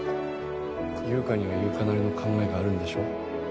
優香には優香なりの考えがあるんでしょ？